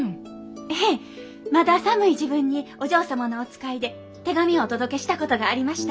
へえまだ寒い時分にお嬢様のお使いで手紙をお届けしたことがありました。